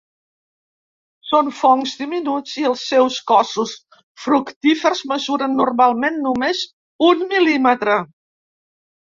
Són fongs diminuts i els seus cossos fructífers mesuren normalment només un mil·límetre.